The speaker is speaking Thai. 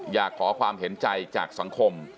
อยากขอความเห็นใจจากสังคม